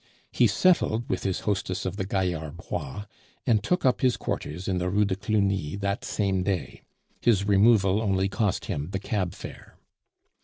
He settled with his hostess of the Gaillard Bois, and took up his quarters in the Rue de Cluny that same day. His removal only cost him the cab fare.